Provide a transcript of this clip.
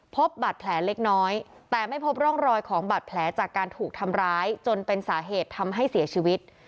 พบบาดแผลเล็กน้อยแต่ไม่พบร่องรอยของบาดแผลจากการถูกทำร้ายจนเป็นสาเหตุทำให้เสียชีวิต